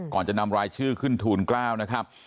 ก่อนจะนำรายชื่อขึ้นทูล๙นะครับ